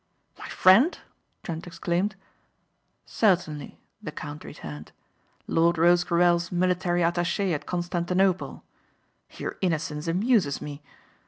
"My friend?" Trent exclaimed. "Certainly," the count returned, "Lord Rosecarrel's military attaché at Constantinople. Your innocence amuses me.